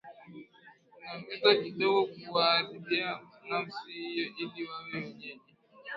aweza kidogo kuwaharibia nafasi hiyo ili wawe wenyeji